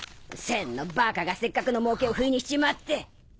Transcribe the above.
千のバカがせっかくのもうけをフイにしちまって。